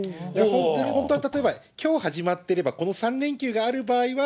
本当は例えば、きょう始まっていればこの３連休がある場合は、